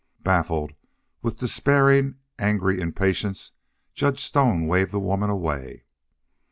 Baffled, with despairing, angry impatience, Judge Stone waved the woman away.